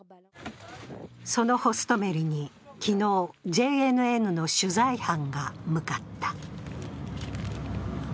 そのホストメリに昨日、ＪＮＮの取材班が向かった。